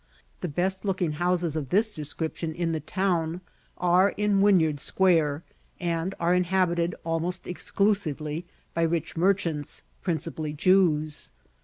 The best looking houses of this description in the town, are in Wynyard Square, and are inhabited almost exclusively by rich merchants, principally Jews.